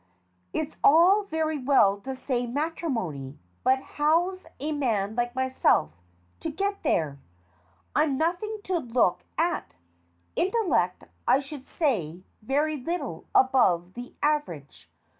It's all very well to say Matrimony, but how's a man like myself to get there? I'm nothing to look at. Intellect, I should say, very little above the aver age.